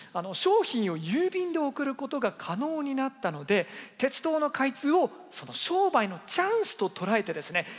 商品を郵便で送ることが可能になったので鉄道の開通を商売のチャンスととらえてですね